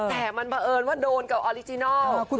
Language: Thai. แต่มันบังเอิญว่าโดนกับออริจินัล